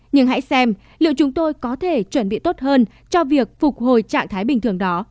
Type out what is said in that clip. nhưng hãy xem liệu chúng tôi có thể chuẩn bị tốt hơn cho việc phục hồi trạng thái bình thường đó